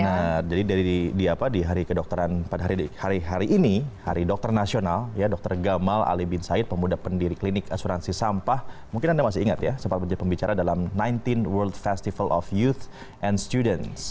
nah jadi dari di hari kedokteran pada hari ini hari dokter nasional ya dokter gamal ali bin said pemuda pendiri klinik asuransi sampah mungkin anda masih ingat ya sempat menjadi pembicara dalam sembilan belas world festival of youth and students